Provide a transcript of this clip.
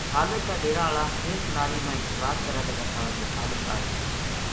خالق کا ڈیرا ہالا کیل کناری ما انتظار کرے لگا تھا جے خالق آئے